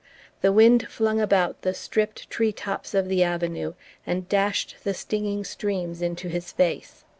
The wind flung about the stripped tree tops of the avenue and dashed the stinging streams into his face.